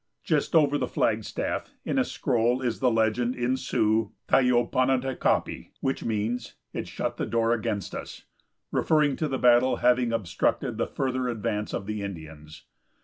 Just over the flag staff, in a scroll, is the legend, in Sioux, "Ti yo pa na ta ka pi," which means, "It shut the door against us," referring to the battle having obstructed the further advance of the Indians.